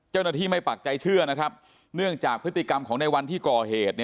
เจ้าหน้าที่ไม่ปักใจเชื่อนะครับเนื่องจากพฤติกรรมของในวันที่ก่อเหตุ